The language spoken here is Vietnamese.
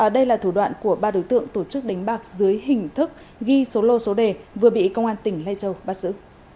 đây là thủ đoạn của ba đối tượng tổ chức đánh bạc dưới hình thức ghi số lô số đề vừa bị công an tỉnh lai châu bắt giữ